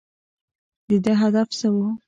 د ده هدف څه و ؟